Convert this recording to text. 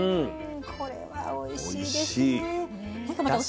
これはおいしいですね。